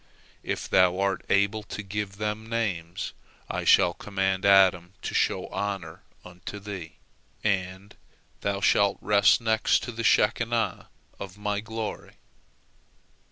If thou art able to give them names, I shall command Adam to show honor unto thee, and thou shalt rest next to the Shekinah of My glory.